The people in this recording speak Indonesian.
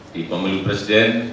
di pemilih presiden